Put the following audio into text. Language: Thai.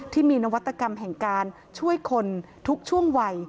ที่มีนวัตกรรมแห่งการช่วยคนทุกช่วงวัย